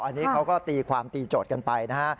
อันนี้เขาก็ตีความตีโจทย์กันไปนะฮะ